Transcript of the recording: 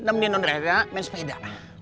nemenin nondrena main sepeda